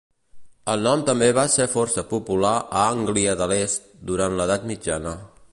El nom també va ser força popular a Ànglia de l'Est durant l'edat mitjana.